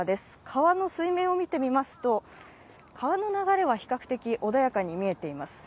川の水面を見てみますと川の流れは比較的穏やかに見えています。